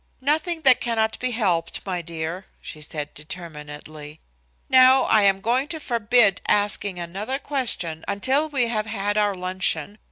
"Nothing that cannot be helped, my dear," she said determinedly. "Now I am going to forbid asking another question until we have had our luncheon.